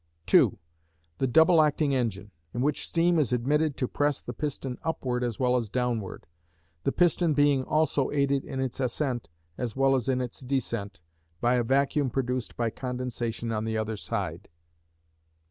2. The double acting engine; in which steam is admitted to press the piston upward as well as downward; the piston being also aided in its ascent as well as in its descent by a vacuum produced by condensation on the other side.